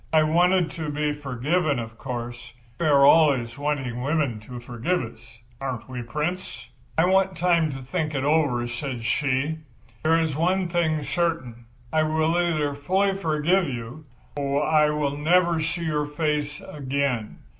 I wanted to be forgiven, of course—we are always wanting women to forgive us, aren't we, Prince?" "'I want time to think it over,' said she. 'There is one thing certain; I will either fully forgive you, or I will never see your face again.